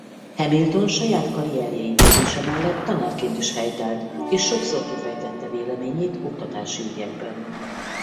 Hamilton saját karrierje építése mellett tanárként is helytállt és sokszor kifejtette véleményét oktatási ügyekben.